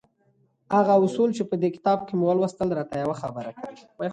هغه اصول چې په دې کتاب کې مو ولوستل را ته يوه خبره کوي.